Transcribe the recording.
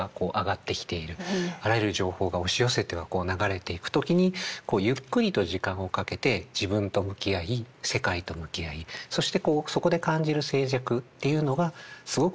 あらゆる情報が押し寄せては流れていく時にゆっくりと時間をかけて自分と向き合い世界と向き合いそしてそこで感じる静寂っていうのがすごく